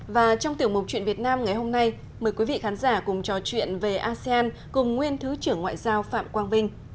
và trong tiểu mục chuyện việt nam ngày hôm nay mời quý vị khán giả cùng trò chuyện về asean cùng nguyên thứ trưởng ngoại giao phạm quang vinh